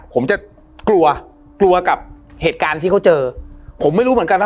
ผมจะกลัวกลัวกับเหตุการณ์ที่เขาเจอผมไม่รู้เหมือนกันว่า